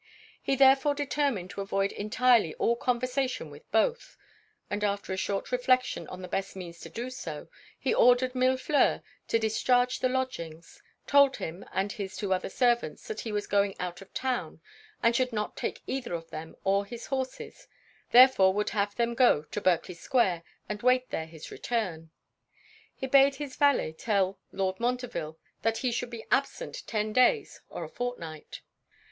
He therefore determined to avoid entirely all conversation with both; and after a short reflection on the best means to do so, he ordered Millefleur to discharge the lodgings; told him and his other two servants that he was going out of town, and should not take either them or his horses; therefore would have them go to Berkley square, and wait there his return. He bade his valet tell Lord Montreville that he should be absent ten days or a fortnight.